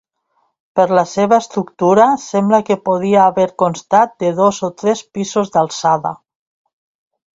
Per la seva estructura sembla que podria haver constat de dos o tres pisos d'alçada.